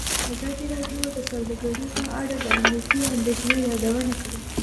ازادي راډیو د سوداګري په اړه د امنیتي اندېښنو یادونه کړې.